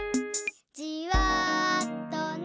「じわとね」